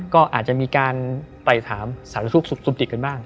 ก็อาจจะมีการไปถามสารสุขสุดสุดติดกันบ้าง